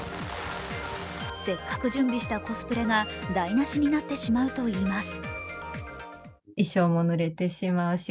せっかく準備したコスプレが台なしになってしまうといいます。